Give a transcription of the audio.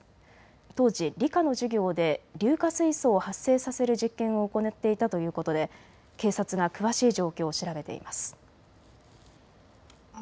当時、理科の授業で硫化水素を発生させる実験を行っていたということで警察が詳しい状況を調べています。